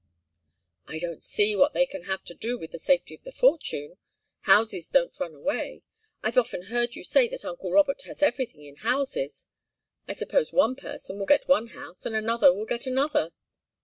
"I don't see what they can have to do with the safety of the fortune. Houses don't run away. I've often heard you say that uncle Robert has everything in houses. I suppose one person will get one house and another will get another."